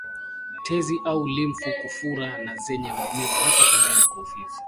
Tezi au limfu kufura na zenye maumivu hasa pembeni mwa ufizi